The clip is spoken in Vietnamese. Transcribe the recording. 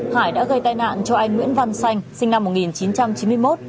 hải đã gây tai nạn cho anh nguyễn văn xanh sinh năm một nghìn chín trăm chín mươi một